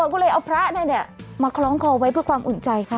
ก็เลยเอาพระมาคล้องคอไว้เพื่อความอุ่นใจค่ะ